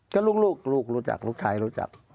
ก็ลูกลูกรู้จักลูกชายรู้จัก